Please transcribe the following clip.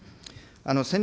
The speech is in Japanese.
戦略